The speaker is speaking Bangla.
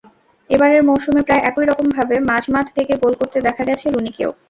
এবারের মৌসুমে প্রায় একই রকমভাবে মাঝমাঠ থেকে গোল করতে দেখা গেছে রুনিকেও।